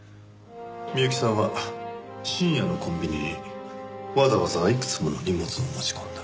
美由紀さんは深夜のコンビニにわざわざいくつもの荷物を持ち込んだ。